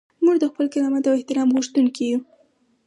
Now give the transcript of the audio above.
موږ د خپل کرامت او احترام غوښتونکي یو.